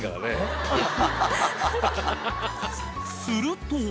［すると］